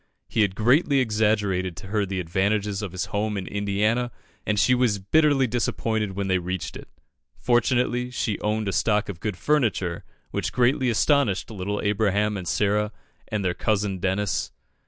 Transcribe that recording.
He had greatly exaggerated to her the advantages of his home in Indiana, and she was bitterly disappointed when they reached it. Fortunately, she owned a stock of good furniture, which greatly astonished little Abraham and Sarah and their cousin Dennis.